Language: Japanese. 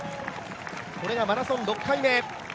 これがマラソン６回目。